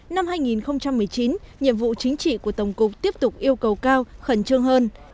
năm hai nghìn một mươi chín nhiệm vụ chính trị của tổng cục tiếp tục yêu cầu cao khẩn trương hơn